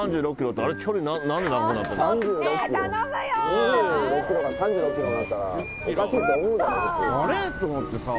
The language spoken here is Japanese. あれって思ってさ